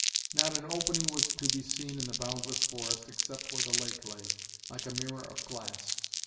Not an opening was to be seen in the boundless forest except where the lake lay, like a mirror of glass.